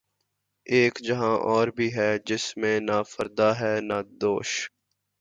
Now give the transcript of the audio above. اک جہاں اور بھی ہے جس میں نہ فردا ہے نہ دوش